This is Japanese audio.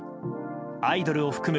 「アイドル」を含む